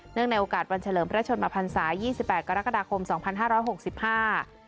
ในโอกาสวันเฉลิมพระชนมพันศายี่สิบแปดกรกฎาคมสองพันห้าร้อยหกสิบห้า